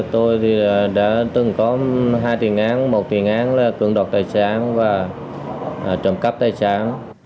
tôi đã từng có hai tình án một tình án là cưỡng đọc tài sản và trầm cắp tài sản